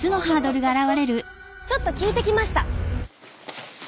ちょっと聞いてきました！